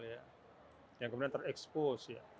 yang kemudian terekspos